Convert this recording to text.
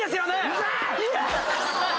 ⁉うるさい！